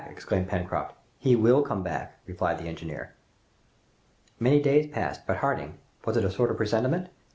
exclaimed Pencroft. "He will come back," replied the engineer. Many days passed; but Harding was it a sort of presentiment?